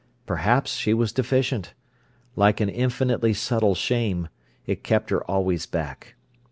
Perhaps she was deficient. Like an infinitely subtle shame, it kept her always back.